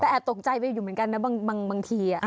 แต่แอบตกใจไปอยู่เหมือนกันนะบางที